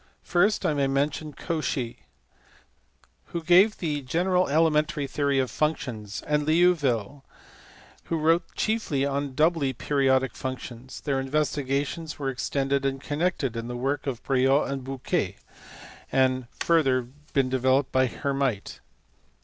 First I may mention Cauchy (see below, p. 473) who gave the general elementary theory of functions, and Liouville (see above, p. 461), who wrote chiefly on doubly periodic functions : their investigations were extended and connected in the work by Briot and Bouquet, and have been further developed by Hermite (see pp.